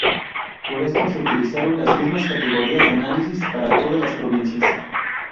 Por esto, se utilizaron las mismas categorías de análisis para todas las provincias.